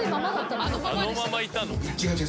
あのままいたの？